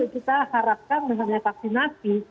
kita harapkan dengan divaksinasi